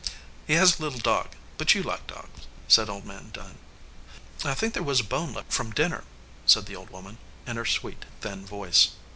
"He has a little dog, but you like dogs," said Old Man Dunn. "I think there was a bone left from dinner," said the old woman, in her sweet, thin voice.